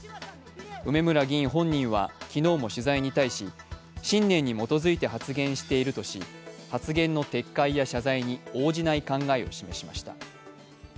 梅村議員本人は昨日も取材に対し信念に基づいて発言しているとし発言の撤回や謝罪に応じない考えを示しました。